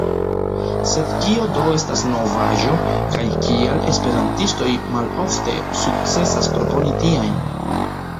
Sed kio do estas novaĵo, kaj kial esperantistoj malofte sukcesas proponi tiajn?